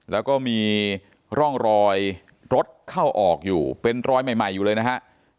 แล้วก็มีร่องรอยรถเข้าออกอยู่เป็นรอยใหม่อยู่เลยนะฮะ